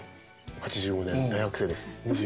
８５年大学生です。